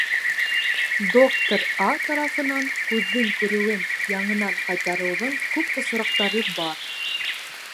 Доктор А. тарафынан күҙҙең күреүен яңынан ҡайтарыуҙың күп осраҡтары бар